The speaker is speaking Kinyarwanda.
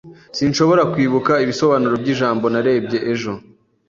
Sinshobora kwibuka ibisobanuro byijambo narebye ejo.